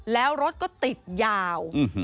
แล้วรถก็ติดยาว